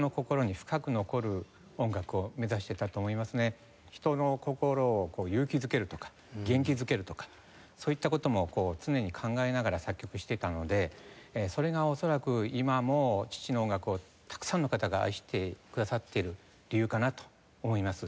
父は常々人の心を勇気づけるとか元気づけるとかそういった事も常に考えながら作曲していたのでそれが恐らく今も父の音楽をたくさんの方が愛してくださっている理由かなと思います。